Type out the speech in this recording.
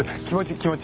気持ち！